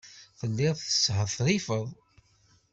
Telliḍ teshetrifeḍ.